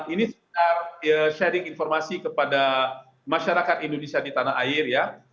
ini sebenarnya sharing informasi kepada masyarakat indonesia di tanah air ya